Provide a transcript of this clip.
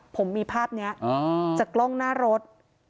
ผมมีภาพนี้จากกล้องหน้ารถ